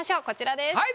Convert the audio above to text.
こちらです。